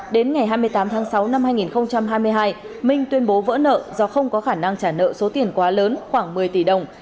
đến ngày hai mươi tám tháng sáu năm hai nghìn hai mươi hai minh tuyên bố vỡ nợ do không có khả năng trả nợ số tiền quá lớn khoảng một mươi tỷ đồng